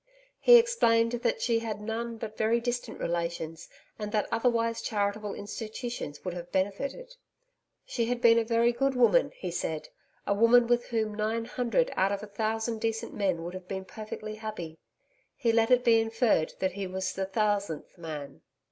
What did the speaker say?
He explained that she had had none but very distant relations and that, otherwise, charitable institutions would have benefited. She had been a very good woman, he said a woman with whom nine hundred out of a thousand decent men would have been perfectly happy. He let it be inferred that he was the thousandth man.